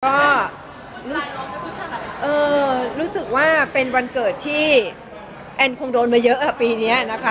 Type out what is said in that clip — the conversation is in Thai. ก็รู้สึกว่าเป็นวันเกิดที่แอนคงโดนมาเยอะปีนี้นะคะ